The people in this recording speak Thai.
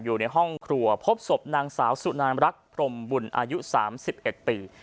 อยู่ในห้องครัวพบศพนางสาวสุนารรักปรหมบุญอายุสามสิบเอ็ดปี